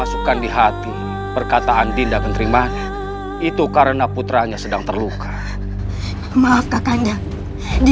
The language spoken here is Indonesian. sampai jumpa lagi